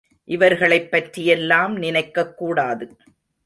இவர்களைப் பற்றியெல்லாம் நினைக்கக் கூடாது.